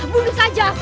bunuh saja aku